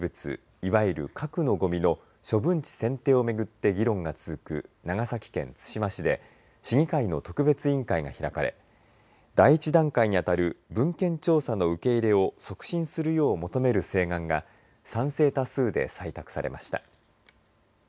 いわゆる核のごみの処分地選定を巡って議論が続く長崎県対馬市で審議会の特別委員会が開かれ第１段階に当たる文献調査の受け入れを促進するよう求める請願が賛成多数で採択されました。